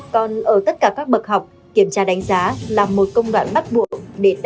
còn ở tất cả các bậc học kiểm tra đánh giá là một công đoạn bắt buộc